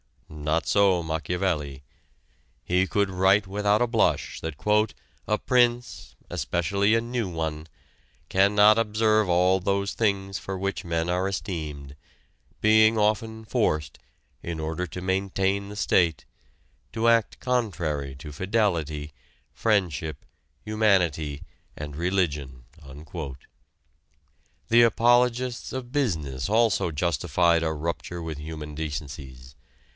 Not so Machiavelli. He could write without a blush that "a prince, especially a new one, cannot observe all those things for which men are esteemed, being often forced, in order to maintain the state, to act contrary to fidelity, friendship, humanity, and religion." The apologists of business also justified a rupture with human decencies.